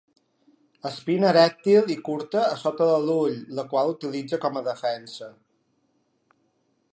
Espina erèctil i curta a sota de l'ull, la qual utilitza com a defensa.